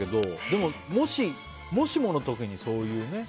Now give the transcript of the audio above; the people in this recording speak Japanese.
でも、もしもの時にそういうね。